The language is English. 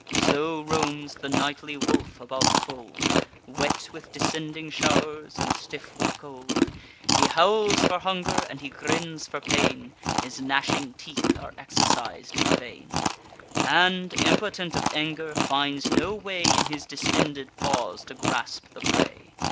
So roams the nightly wolf about the fold: Wet with descending show'rs, and stiff with cold, He howls for hunger, and he grins for pain, (His gnashing teeth are exercis'd in vain,) And, impotent of anger, finds no way In his distended paws to grasp the prey.